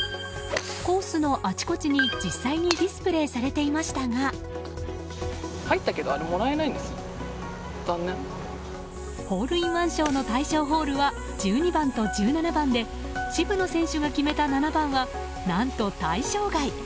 コースのあちこちに、実際にディスプレーされていましたがホールインワン賞の対象ホールは１２番と１７番で渋野選手が決めた７番は何と対象外。